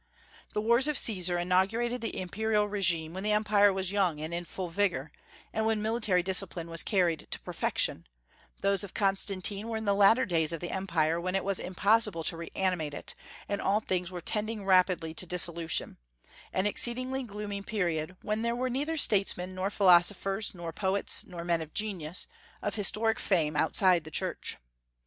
The wars of Caesar inaugurated the imperial régime when the Empire was young and in full vigor, and when military discipline was carried to perfection; those of Constantine were in the latter days of the Empire, when it was impossible to reanimate it, and all things were tending rapidly to dissolution, an exceedingly gloomy period, when there were neither statesmen nor philosophers nor poets nor men of genius, of historic fame, outside the Church.